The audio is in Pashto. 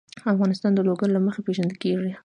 افغانستان د لوگر له مخې پېژندل کېږي.